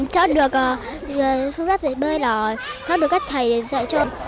cháu được phương pháp dạy bơi là cháu được các thầy dạy cho